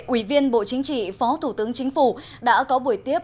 ủy viên bộ chính trị phó thủ tướng chính phủ đã có buổi tiếp